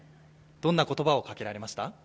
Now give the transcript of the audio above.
どんな言葉をかけられました？